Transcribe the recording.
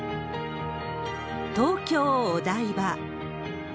東京・お台場。